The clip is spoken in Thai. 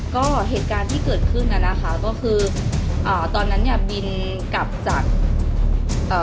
ก็เหตุการณ์ที่เกิดขึ้นน่ะนะคะก็คืออ่าตอนนั้นเนี่ยบินกลับจากเอ่อ